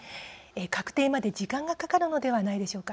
確定まで時間がかかるのではないでしょうか。